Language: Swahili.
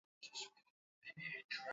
sanifu wageni wote wanaofika nchini Zanziba